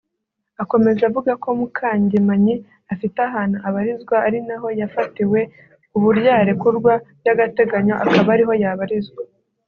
Akomeza avuga ko Mukangemanyi afite ahantu abarizwa ari naho yafatiwe ku buryo yarekurwa by’agateganyo akaba ariho yabarizwa